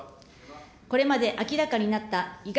これまで明らかになったＧＩＧＡ